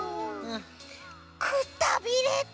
くたびれた。